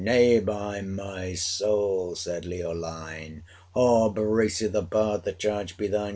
Nay, by my soul!' said Leoline. 'Ho! Bracy the bard, the charge be thine!